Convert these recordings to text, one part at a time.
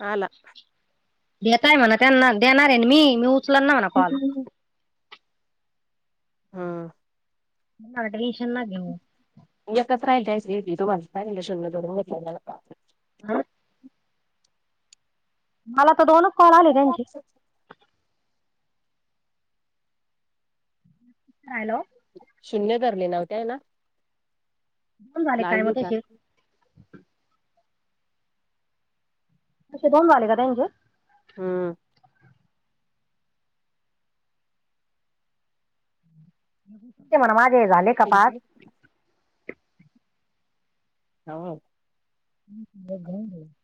आला येताय म्हण त्यांना देणारे नं मी, मी उ [unintelligible] हम्म हं त्याना मना टेंशन ना घेऊ. [inaudible] हा. मला तर दोनच कॉल आली त्यांची. हॅलो. शून्य धरले नव्हतय ना. कम झाले काय मग लागली का केशील. [unintelligible] हम ते म्हणं माझे झाले का पाच. [unintelligible] [unintelligible]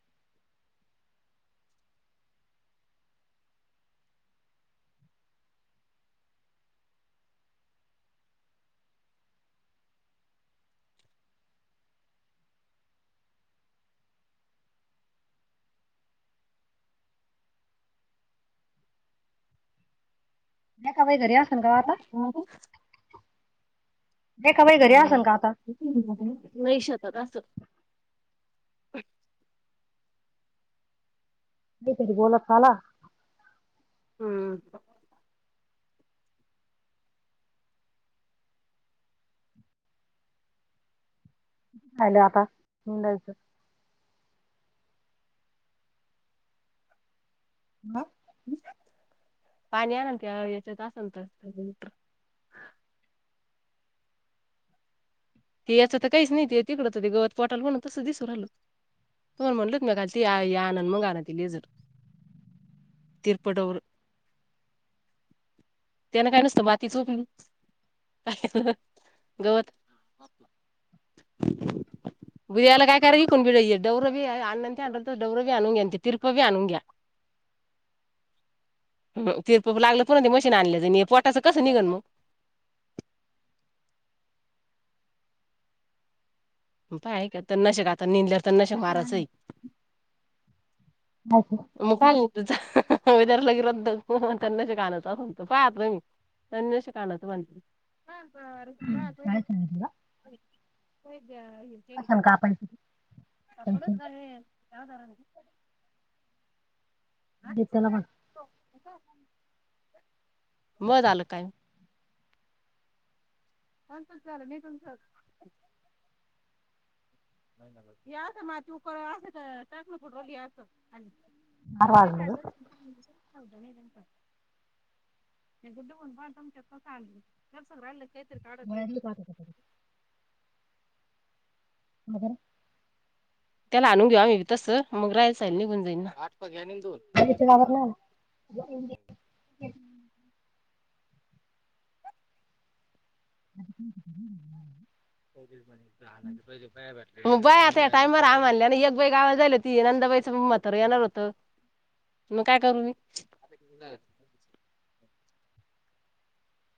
रेखा बाई घरी असन का हो आता? हा काय रेखाबाई घरी असन का आता? ह नाही शतात असं. नाही तरी बोलत आला. हम्म. ल आता हुं न ज. ह. अ्‌ पाणी आ ना क याच्यात असल तर. ते याचं तर काहीच नाही ते तिकडं ते गवत पटाल म्हणून तसं दिसू रायल. तो म्हटलत म काल आण मग आण त लेझर. तिरपटर. त्याना काय नसतं माती चोप काय ह ह गवत. टक‌् ट‌क‌्. बुद्याला काय काररी कणबीडय ड्र भी अणनंत अत डव्र भी अनंगयंत तीरप भी आणुंग्या. ह तीरप लागलं पण ते मशीन आणल्याचं. पोटाचं कस निघन मग? प ऐ का तर नशक आता निेदल्यावर तर नशक कशाला माराचं आणलं आहे. नायकी. [unintelligible] तणनाशक आणायचं म्हणत. हा बर बा. काय सांगितलं सां का आपण कापडत का यादार नी. घेतला बान. मज अल काय? तंच झालं नाही तुमचं. ं म ती उकर अस टकन फठव घतं. आणि चार वाजलं [unintelligible] गुड बण पासल् का? गळ्यातली पाहत होता. मदर त्याला आणून घ्यावा मी तसं मग राहायचाल निघून जाईन ना. आठघ आणि दोन. इथबर ना. [unintelligible] [unintelligible] मग बाय आता या टायमवर आम आणले. आणि एक बाई गावाला झाली होती. नंदबाईचं मातर येणार होतं. मग काय करू मी.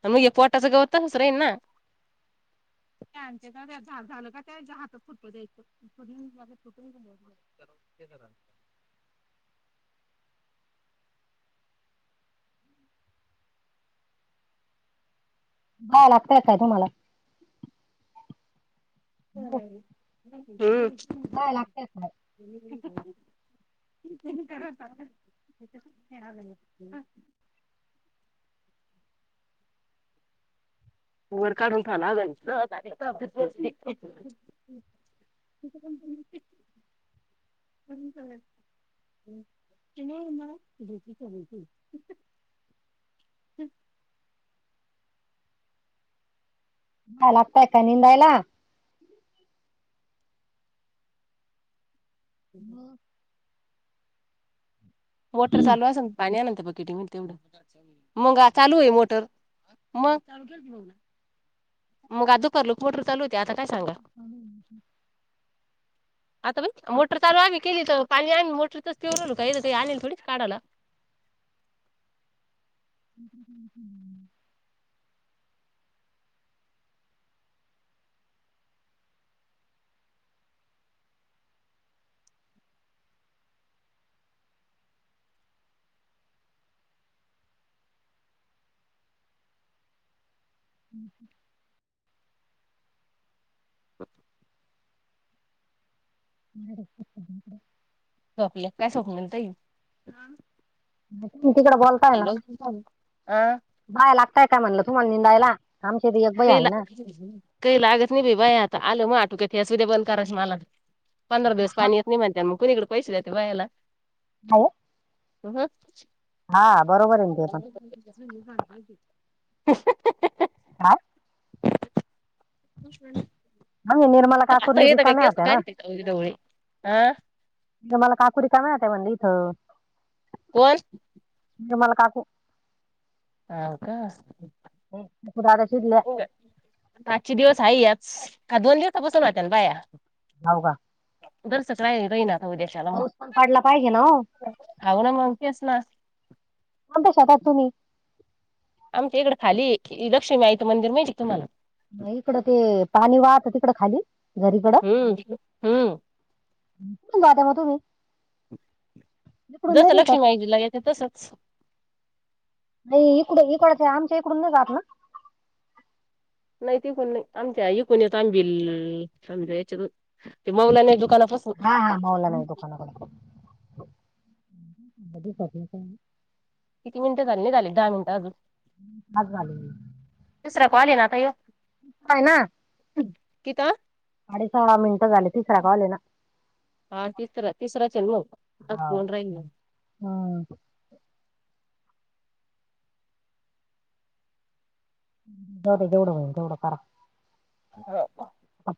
मग पोटाचं गवत हसराईन ना. झाल झाल का ते? हा तर फुटु दे तो [unintelligible] बा लागतयच काय तुम्हाला. [unintelligible] हूं काय लागते [unintelligible] [inaudible] [inaudible] वर काढून [unintelligible] [unintelligible] [unintelligible] आलात बायका निंदायला हूं हूं मोटर चालू असल... पाणी आणा ना... त्यां बकेटी मधनं तेवढं चालू ए... मग चालू ए मोटर. मंग [unintelligible] मग आज दुपारला मोटर चालू होती... आता काय सांगा [unintelligible] आता बाई... मोटर चालू आम्ही केली तर... पाणी आम्ही मोटरचंच पिऊ राहिलो... काय इथं आणेल थोडीच ए काढाला [unintelligible] हूं हूं [inaudible] झोपल्या काय... स्वप्नाली ताई? मग तुम्ही तिकडं बोलताय ना आ बायां लागताय का... म्हणलं तुम्हाला निंदायला... आमच्या हिथं एक बाई काही हाये ला ना काही लागत नाही बाई... बाया आता... आलं माह्या आटूक्यात [unintelligible] उद्या बंद कराय मला पंधरा दिवस पाणी येत नाई म्हणत्या... मग कुणीकडे पैसेे देता बायाला? हाये हूं हूं बरोबर [unintelligible] आहे ना ते पण [unintelligible] हूंहूं हूं हूंहूं हाव म्हणजे निर्मला आता काकूरी हिधं काय रिकाम्या केस होत्या ना काळी ए का ढवळे... आ निर्मला काकू... रिकाम्या होत्या म्हणलं इथं कोण? निर्मला काकू हाव का? कोण... पप्पू दादाच्या इथल्या आजच्या दिवस हाये याच... काल दोन दिवसांपासून होत्या ना बाया हाव का [unintelligible] राहील आता राहीन उद्याच्याला मग पाऊस पण पडला पाहिजे ना हो हाऊ ना.. मग. तेच ना कोणत्या शेतात तुम्ही? आमच्या इकडं खाली ए... लक्ष्मीआईचं मंदिर माहितीये का तुम्हाला? नाइ... इकडं ते पाणी... वाहतं तिकडं... खाली दरीकडं? हम्म हम्म कुठून जात्या मग तुम्ही? इकडून नाही जसं लक्ष्मी दिसत आईच्याला येतात तसंच नई... इकडू... इकडच्या... आमच्या इकडून नई जात ना? नई तिकून नई... आमच्या इकून येतो... आम्ही.... भी... ह्याच्यातून.... ते मौलाना दुकानापासून हा हा.... मौलानाच्या दुकानाकडून.... [unintelligible] किती मिनटं झाली... नई झाले... का दहा मिनटं अजून सात झाले तिसरा कॉल ए ना आता ह्यो? पय ना हूं... कितवा? साडे सोळा मिनिटं झालेत हा... तिसरा... तिसराच है ना मग... [unintelligible] फोन राहिला हम तेवढं जेवढं होईल तेवढ करा. हो.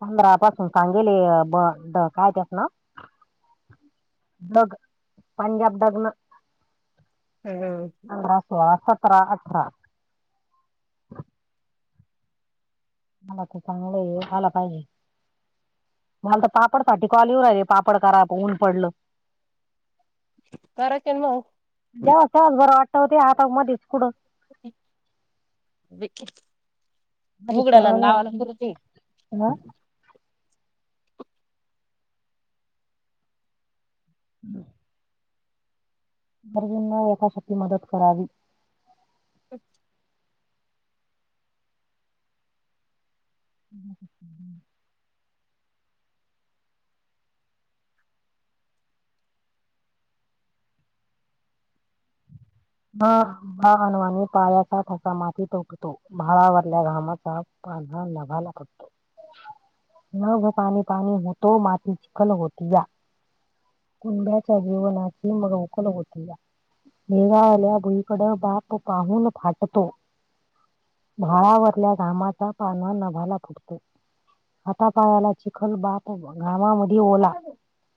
पंधरा पासून सांगेले ब काय त्यात ना. मग आणि याच्यातन हम्म. पंधरा, सोळा, सतरा, अठरा मला तू चांगलं हाय. ह्याला काय होईल. मला तर पापडसाठी कॉल येऊन राहिले. पापड करा आता ऊन पडलं. करायचे ना मग. जेव्हा तेव्हा बरं वाटत होते. हाता मध्येच पुढं. व [unintelligible] अरे करा ना हा. हम्म. अर्जुन ने एकासाठी मदत करावी. अच्छा, ह [inaudible] हा ह अनवानी पायाचा त्यासा माती ठोकतो. भाळावरल्या घामाचा पान घायला पटतो. नभ पाणी पाणी होतो. माती चिखल होती या. कुंब्याच्या जीवनाची मग उखल होती या. देव्हा आपल्या भुईकड बाप पाहून फाटतो. भाळावरल्या घामाचा पान नभाला फुटतो. हातापायाला चिखल बाप घामामध्ये ओला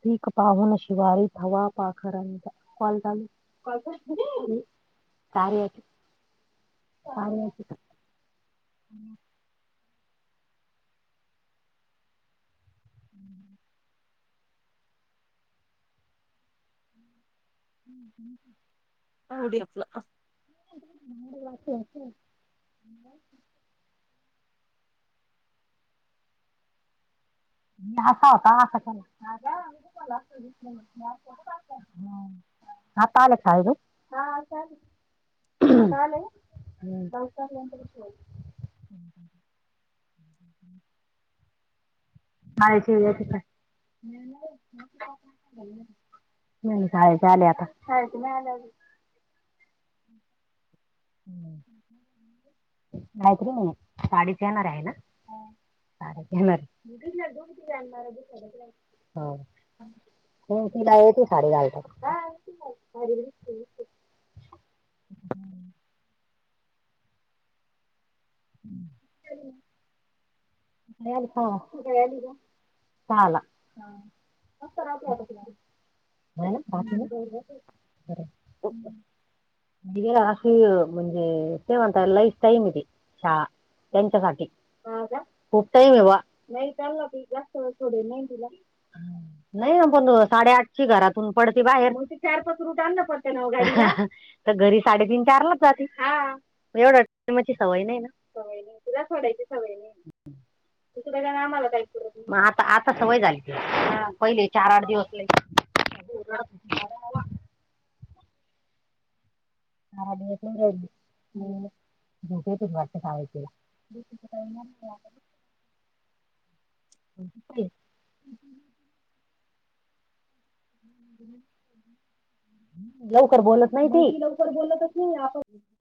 पीक पाहून शिवारी, थवा पाखरांचा काय आहे ते? काय आहे ते? हम् हम् हम्. उडी आपल वाचली असल. ह [inaudible] धाका होता ना तस तसला आता आलं खायले. आता आले. माहितीय येत नाही. नाही नाही शाळेचे आले आता. नाही तरी म्हणा साडीच येणार आहे ना. घेणार हा तिलाय तू साडी घालतात. ह [inaudible] हं. आली का? सहाला [unintelligible] हम्म. इकडं अशी म्हणजे काय म्हणता लाईफ टाईम आहे. ती शाळा त्यांच्या साठी खूप टाईम आहे येवा. थोडे नाही तिला नाही पण साडेआठची घरातून पडते बाहेर. चार पाच रुट आण पडते नव गाडीला. तर घरी साडेतीन चारलाच जातील. एवढ टायमची सवय नाही ना. तुला सोडायची सवय नाही. तिकडे राहून आम्हाला काय पुरत नव्हतं. म आता- आता सवय झाली. पहिले चार आठ दिवस लय [unintelligible] हम. बुठे प वाटत खायचे. ड्युटीचा टाईम झाला [unintelligible] [unintelligible] लवकर बोलत नाही ती. लवकर बोलतच नाही. आप